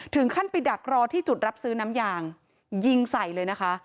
ถึงขั้นไปดักรอที่จุดรับซื้อน้ำยางยิงใส่เลยนะคะ